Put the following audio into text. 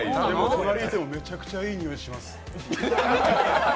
隣にいてもめちゃくちゃいい匂いします。